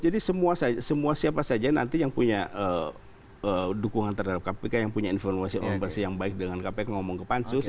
jadi semua siapa saja nanti yang punya dukungan terhadap kpk yang punya informasi orang bersih yang baik dengan kpk ngomong ke pansus